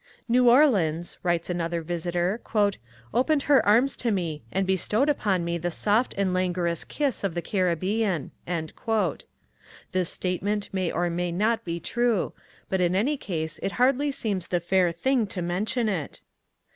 "New Orleans," writes another visitor, "opened her arms to me and bestowed upon me the soft and languorous kiss of the Caribbean." This statement may or may not be true; but in any case it hardly seems the fair thing to mention it.